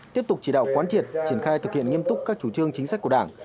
tiếp tục chỉ đạo quán triệt triển khai thực hiện nghiêm túc các chủ trương chính sách của đảng